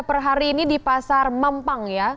per hari ini di pasar mampang ya